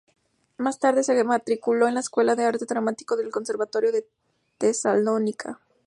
Más tarde se matriculó en la Escuela de Arte Dramático del Conservatorio de Tesalónica.